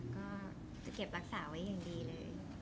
ก็จะเก็บรักษาไว้อย่างดีเลย